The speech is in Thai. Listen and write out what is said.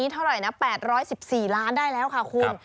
ทะลุไปแล้วครับตอนนี้เท่าไรนะ๘๑๔ล้านได้แล้วค่ะคุณ